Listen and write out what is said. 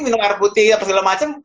minum air putih gitu apabila macem